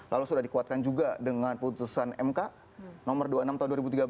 lalu sudah dikuatkan juga dengan putusan mk nomor dua puluh enam tahun dua ribu tiga belas